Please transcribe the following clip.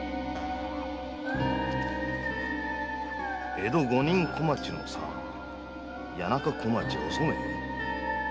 「江戸五人小町の三谷中小町お染」？